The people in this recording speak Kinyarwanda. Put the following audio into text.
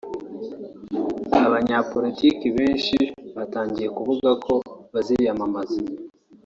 abanyapolitiki benshi batangiye kuvuga ko baziyamamaza